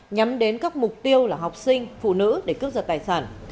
nhắm đến các mục tiêu là học sinh phụ nữ để cướp giật tài sản